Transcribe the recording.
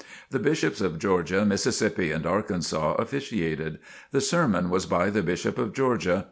The Bishops of Georgia, Mississippi and Arkansas officiated. The sermon was by the Bishop of Georgia.